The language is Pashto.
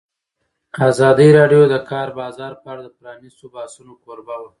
ازادي راډیو د د کار بازار په اړه د پرانیستو بحثونو کوربه وه.